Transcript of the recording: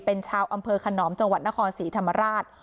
เป็นชาวอำเภอขนอมจังหวัดนครศรีธรรมราช